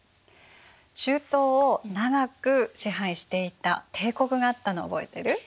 中東を長く支配していた帝国があったのを覚えてる？